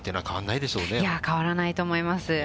いやぁ、変わらないと思います。